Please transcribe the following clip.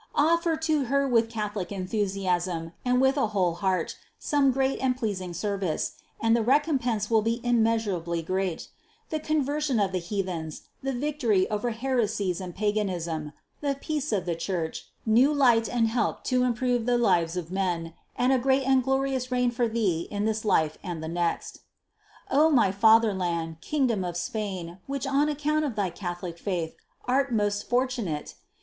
Offer to Her with Catholic enthusiasm and with a whole heart some great and pleasing service, and the recompense will be immeasurably great : the conversion of the heathens, the victory over heresies and paganism, the peace of the Church, new light and help to improve the lives of men and a great and glorious reign for thee in this life and the next. 306. O my fatherland, kingdom of Spain, which on account of thy Catholic faith, art most fortunate